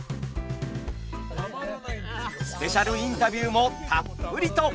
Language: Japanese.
スペシャルインタビューもたっぷりと。